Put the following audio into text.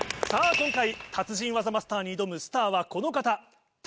今回達人技マスターに挑むスターはこの方。